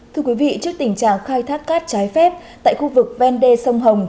thưa quý vị trước tình trạng khai thác cát trái phép tại khu vực vendê sông hồng